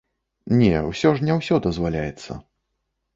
Не, усё ж не ўсё дазваляецца.